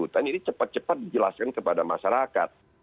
tapi ini cepat cepat dijelaskan kepada masyarakat